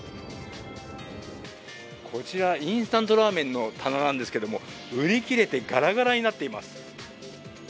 こちら、インスタントラーメンの棚なんですけども売り切れてがらがらになっています。